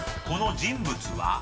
［この人物は？］